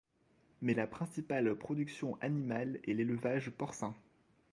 Mais la principale production animale est l'élevage porcin.